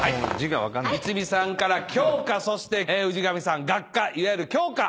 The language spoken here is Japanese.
逸美さんから「教科」そして氏神さん「学科」いわゆる教科。